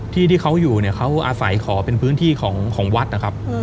ที่เขาอยู่เนี่ยเขาอาศัยขอเป็นพื้นที่ของวัดนะครับ